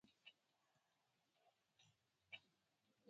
سهار د نوې نړۍ پیل دی.